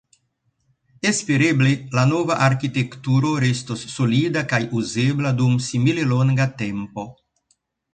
Espereble la nova arkitekturo restos solida kaj uzebla dum simile longa tempo.